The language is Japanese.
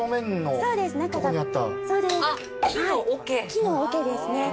木の桶ですね。